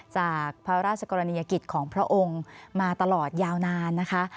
จากพระราชกรณียกิจของพระองค์มาตลอดยาวนานนะคะ